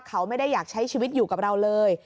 เขาไม่ได้อยากใช้ชีวิตอยู่กับเราเลย